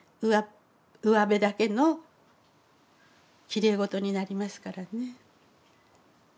うわべだけのきれいごとになりますからね。